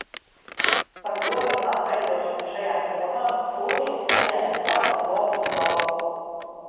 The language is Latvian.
Par lomas atveidošanu šajā filmā Klūnijs saņēma Zelta globusa balvu.